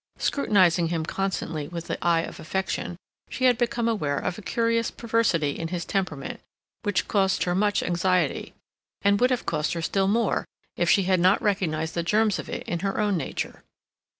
Scrutinizing him constantly with the eye of affection, she had become aware of a curious perversity in his temperament which caused her much anxiety, and would have caused her still more if she had not recognized the germs of it in her own nature.